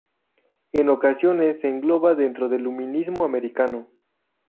En ocasiones se engloba dentro del luminismo americano.